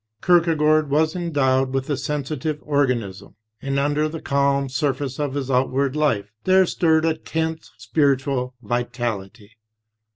Kierkegaard was endowed with a sensitive organism, and under the calm surface of his outward life there stirred a tense spiritual vitality.